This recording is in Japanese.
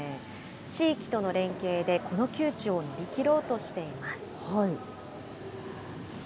地域との連携でこの窮地を乗り切ろうとしています。